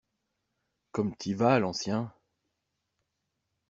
Comme t'y vas, l'ancien!